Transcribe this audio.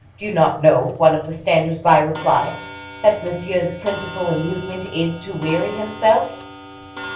"Do you not know," one of the standers by replied, "that Monsieur's principal amusement is to weary himself?"